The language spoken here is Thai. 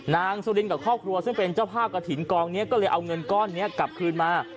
นางสุรินกับครอบครัวซึ่งเป็นเจ้าภาพกระถิ่นกองนี้ก็เลยเอาเงินก้อนนี้กลับคืนมา